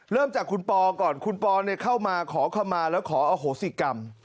เริ่มจากคุณปอก่อนคุณปอเข้ามาขอคำมาแล้วขออโหสิกรรม